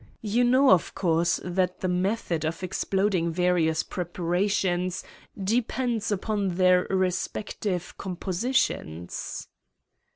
You know, of course, that the method of exploding various preparations depends upon their respective com positions?"